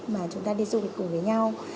mà chúng ta đi du lịch cùng với nhau